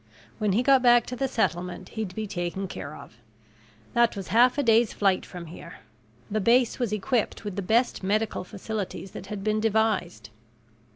When he got back to the settlement he'd be taken care of. That was half a day's flight from here. The base was equipped with the best medical facilities that had been devised.